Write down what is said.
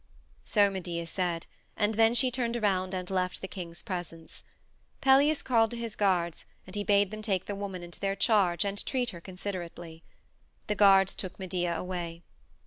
So Medea said, and then she turned around and left the king's presence. Pelias called to his guards and he bade them take the woman into their charge and treat her considerately. The guards took Medea away.